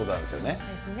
そうですね。